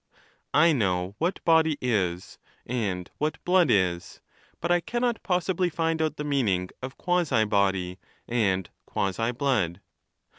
I know what body is, and what blood is ; but I cannot possibly find out the meaning of qnasi body and quasi blood.